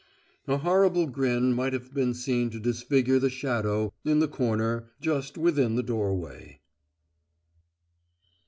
A horrible grin might have been seen to disfigure the shadow in the corner just within the doorway.